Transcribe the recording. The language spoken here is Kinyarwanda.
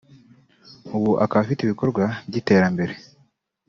ubu akaba afite ibikorwa by’iterambere